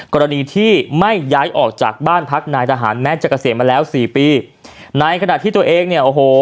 กรณีที่ไม่ย้ายออกจากบ้านพักนายทหารแม้จะเกษียณมาแล้วสี่ปีในขณะที่ตัวเองเนี่ยโอ้โห